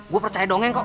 gue percaya dongeng kok